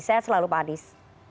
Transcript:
saya selalu pak anies